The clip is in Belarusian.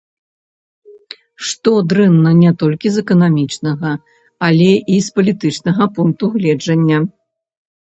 Што дрэнна не толькі з эканамічнага, але і з палітычнага пункту гледжання.